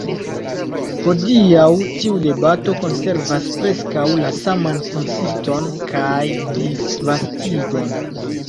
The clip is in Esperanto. Hodiaŭ tiu debato konservas preskaŭ la saman konsiston kaj disvastigon.